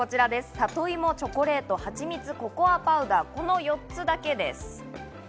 さといも、チョコレート、はちみつ、ココアパウダー、この４つだけです。